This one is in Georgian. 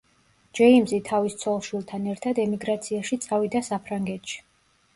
ჯეიმზი თავის ცოლ-შვილთან ერთად ემიგრაციაში წავიდა საფრანგეთში.